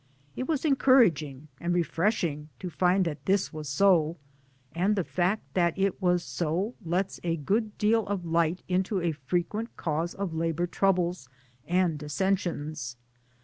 It was encouraging and refreshing to find that this was so ; and the fact that it was so lets a good deal of light into ia frequent cause of labour troubles and dissensions.